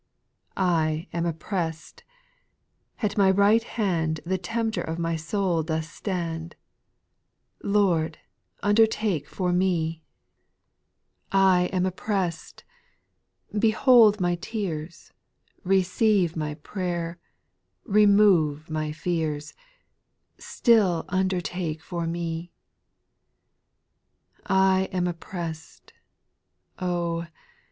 I am oppressed ; at my right hand The tempter of my soul doth stand ; Loixi, undertaken foxL \SiSi^\ 22 254 SPIRITUAL SONGS. 6. I am oppressed ; behold my tears, Receive my prayer, remove my fears ; Still undertake for me I 7. I am oppressed ; O